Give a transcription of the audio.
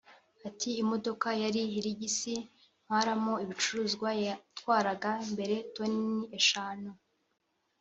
Ati "Imodoka ya Hirigisi ntwaramo ibicuruzwa yatwaraga mbere toni eshanu